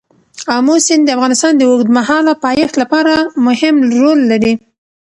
آمو سیند د افغانستان د اوږدمهاله پایښت لپاره مهم رول لري.